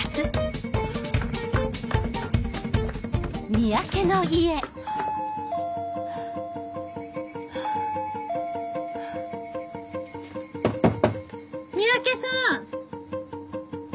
三宅さん！